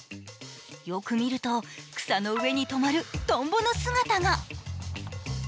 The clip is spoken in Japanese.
よく見ると、草の上にとまるトンボの姿が。